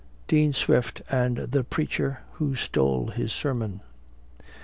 DEAN SWIFT AND THE PREACHER WHO STOLE HIS SERMON.